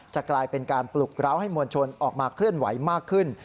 จะกลายเป็นการปลุกร้าวให้มวลชนออกมาเคลื่อนไหวมากขึ้น